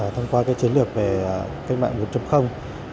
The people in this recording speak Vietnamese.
thông qua chiến lược về kết mạng